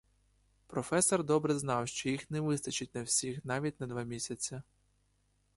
Професор добре знав, що їх не вистачить на всіх навіть на два місяці.